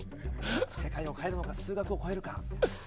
世界を変えるのか数学を変えるのか。